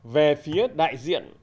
về phía đại diện